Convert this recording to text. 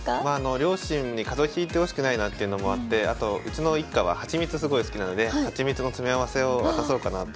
両親に風邪をひいてほしくないなっていうのもあってあとうちの一家はハチミツすごい好きなのでハチミツの詰め合わせを渡そうかなと。